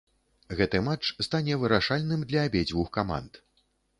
Гэты матч стане вырашальным для абедзвюх каманд.